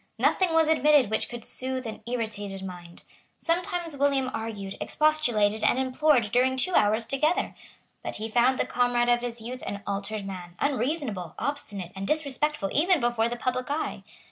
Nothing was omitted which could soothe an irritated mind. Sometimes William argued, expostulated and implored during two hours together. But he found the comrade of his youth an altered man, unreasonable, obstinate and disrespectful even before the public eye.